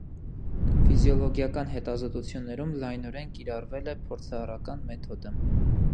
Ֆիզիոլոգիական հետազոտություններում լայնորեն կիրառել է փորձառական մեթոդը։